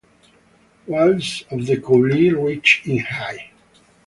Walls of the coulee reach in height.